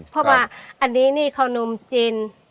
เพราะว่าอันนี้นี่ขนมจีน